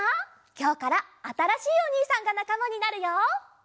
きょうからあたらしいおにいさんがなかまになるよ！